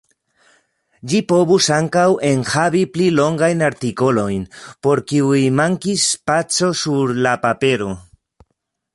Ĝi povus ankaŭ enhavi pli longajn artikolojn, por kiuj mankis spaco sur la papero.